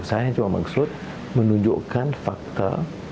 saya ini cuma maksud menunjukkan fakta